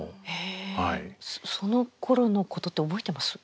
そのころのことって覚えてます？